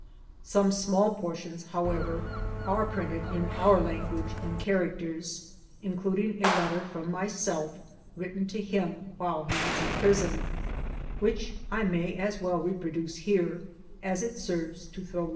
Some small portions, however, are printed in our language and characters, including a letter from myself written to him while he was in prison which I may as well reproduce here as it serves to throw!